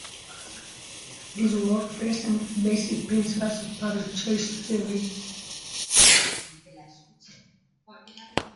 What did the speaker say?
This work presents the basic principles of public choice theory.